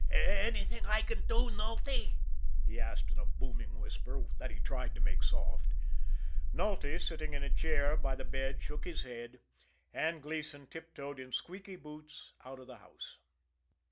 "Anything I can do Nulty?" he asked in a booming whisper, that he tried to make soft. Nulty, sitting in a chair by the bed, shook his head and Gleason tiptoed in squeaky boots out of the house.